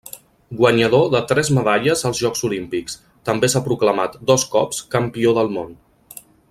Guanyador de tres medalles als Jocs Olímpics, també s'ha proclamat dos cops Campió del món.